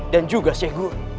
dan juga segun